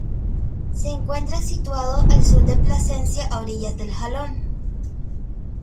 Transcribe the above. Se encuentra situado al sur de Plasencia, a orillas del Jalón.